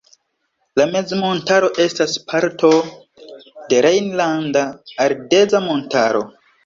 La mezmontaro estas parto de la Rejnlanda Ardeza montaro.